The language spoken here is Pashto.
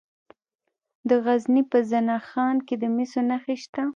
د غزني په زنه خان کې د مسو نښې شته.